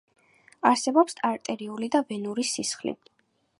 არსებობს არტერიული და ვენური სისხლი